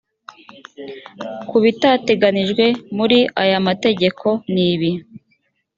ku bitateganyijwe muri aya amategeko nibi